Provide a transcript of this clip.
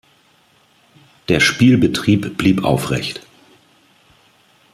Der Spielbetrieb blieb aufrecht.